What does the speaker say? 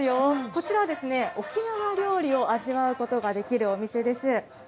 こちらは沖縄料理を味わうことができるお店です。